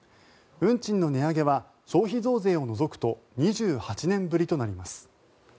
運賃の値上げは消費増税を除くと２８年ぶりとなります。